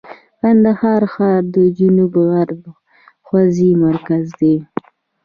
کندهار ښار د جنوب غرب حوزې مرکز دی.